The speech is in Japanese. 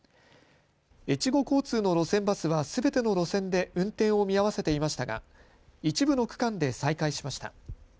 越後交通の路線バスはすべての路線で運転を見合わせていましたが一部の区間で再開しました。